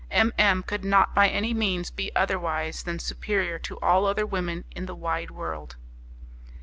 M M could not by any means be otherwise than superior to all other women in the wide world.